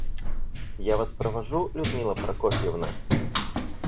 Я Вас провожу, Людмила Прокофьевна?